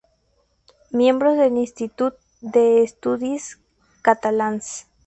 Miembro del Institut d'Estudis Catalans.